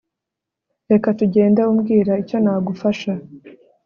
reka tugende umbwira icyo nagufasha